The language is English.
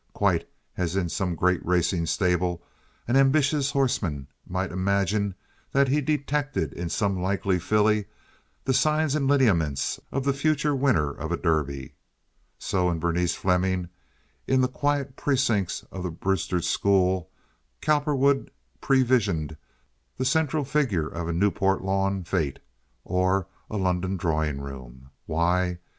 Quite as in some great racing stable an ambitious horseman might imagine that he detected in some likely filly the signs and lineaments of the future winner of a Derby, so in Berenice Fleming, in the quiet precincts of the Brewster School, Cowperwood previsioned the central figure of a Newport lawn fete or a London drawing room. Why?